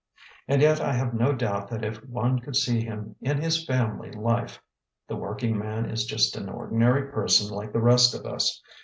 And yet I have no doubt that if one could see him in his family life the Workingman is just an ordinary person like the rest of us.